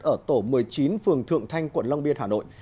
ở tổ một mươi chín phường thượng thanh quận long biên hà nội